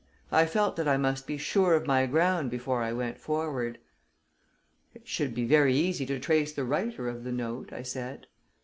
I felt that I must be sure of my ground before I went forward. "It should be very easy to trace the writer of the note," I said.